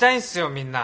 みんな。